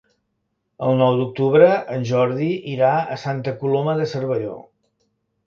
El nou d'octubre en Jordi irà a Santa Coloma de Cervelló.